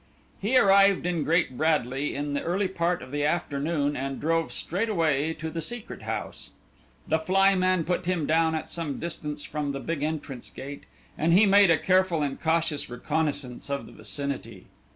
He arrived in Great Bradley in the early part of the afternoon, and drove straight away to the Secret House. The flyman put him down at some distance from the big entrance gate, and he made a careful and cautious reconnaissance of the vicinity.